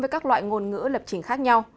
với các loại ngôn ngữ lập trình khác nhau